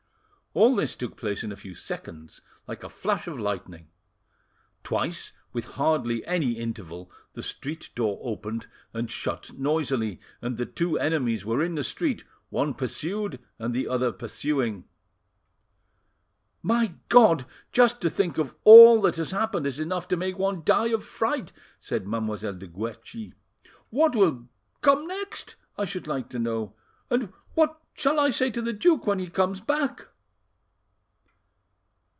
All this took place in a few seconds, like a flash of lightning. Twice, with hardly any interval, the street door opened and shut noisily, and the two enemies were in the street, one pursued and the other pursuing. "My God! Just to think of all that has happened is enough to make one die of fright!" said Mademoiselle de Guerchi. "What will come next, I should like to know? And what shall I say to the duke when he comes back?"